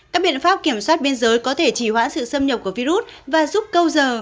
các biện pháp kiểm soát biên giới có thể chỉ hoãn sự xâm nhập của virus và giúp câu giờ